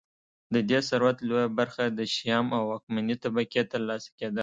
د دې ثروت لویه برخه د شیام او واکمنې طبقې ترلاسه کېده